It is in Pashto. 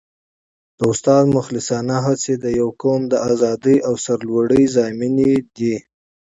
د استاد مخلصانه هڅې د یو قوم د ازادۍ او سرلوړۍ ضامنې دي.